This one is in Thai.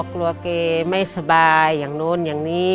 กลัวแกไม่สบายอย่างนู้นอย่างนี้